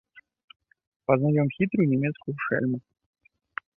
Пазнаём хітрую нямецкую шэльму!